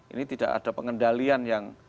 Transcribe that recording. ini tidak ada pengendalian